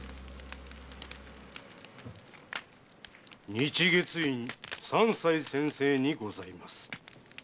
日月院三斎先生にございます。